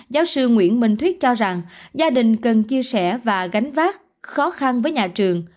giáo sư nguyễn minh thuyết cho rằng gia đình cần chia sẻ và gánh vác khó khăn với nhà trường